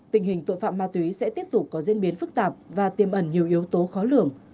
tình hình tội phạm ma túy sẽ tiếp tục có diễn biến phức tạp và tiêm ẩn nhiều yếu tố khó lường